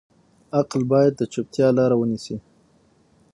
عقل باید د چوپتیا لاره ونیسي.